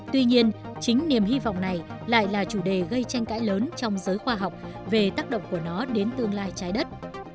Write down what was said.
tuy nhiên chính niềm hy vọng này lại là chủ đề gây tranh cãi lớn trong giới khoa học về tác động của nó đến tương lai trái đất